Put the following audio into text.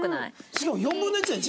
しかも４分の１だよ。